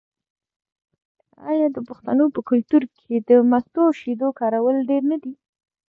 آیا د پښتنو په کلتور کې د مستو او شیدو کارول ډیر نه دي؟